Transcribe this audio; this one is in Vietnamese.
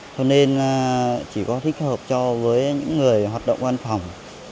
thế nên chỉ có thích hợp cho với những người hoạt động an phòng